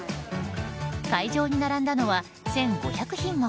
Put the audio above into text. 会場に並んだのは１５００品目